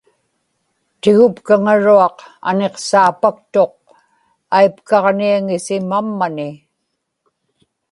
tigupkaŋaruaq aniqsaapaktuq, aipkaġniaŋisimammani